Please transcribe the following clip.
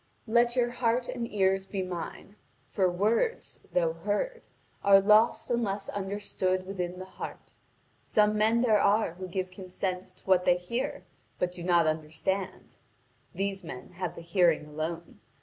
Let your heart and ears be mine. For words, though heard, are lost unless understood within the heart. Some men there are who give consent to what they hear but do not understand: these men have the hearing alone.